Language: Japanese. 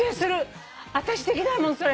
私できないもんそれ！